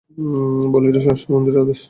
বলো এটা স্বরাষ্ট্রমন্ত্রীর আদেশ।